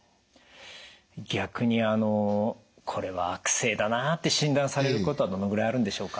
逆にこれは悪性だなって診断されることはどのぐらいあるんでしょうか？